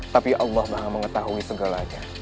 tapi allah maha mengetahui segalanya